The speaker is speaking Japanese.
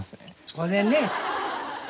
これね。